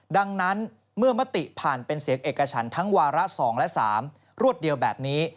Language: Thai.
ดังนั้นเมื่อมติผ่านเป็นเสียงเอกฉันทั้งวาระ๒และ๓รวดเดียวแบบนี้